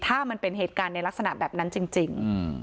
ถ้ามันเป็นเหตุการณ์ในลักษณะแบบนั้นจริง